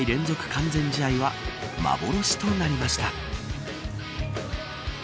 完全試合は幻となりました。